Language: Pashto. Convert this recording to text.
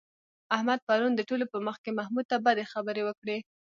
احمد پرون د ټولو په مخ کې محمود ته بدې خبرې وکړې.